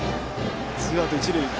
ツーアウト一塁。